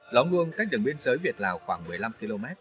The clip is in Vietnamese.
lóng luông cách đường biên giới việt lào khoảng một mươi năm km